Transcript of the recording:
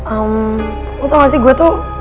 emm lo tau gak sih gue tuh